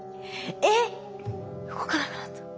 えっ動かなくなった。